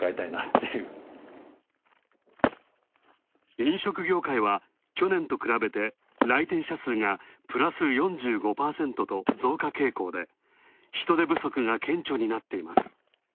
飲食業界は去年と比べて、来店者数がプラス４５％と増加傾向で、人手不足が顕著になっています。